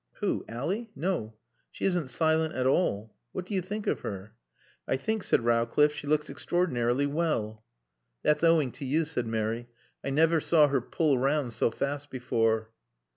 "Who? Ally? No. She isn't silent at all. What do you think of her?" "I think," said Rowcliffe, "she looks extraordinarily well." "That's owing to you," said Mary. "I never saw her pull round so fast before."